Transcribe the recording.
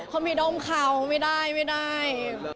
เขามีด้มเขาไม่ได้ไม่ได้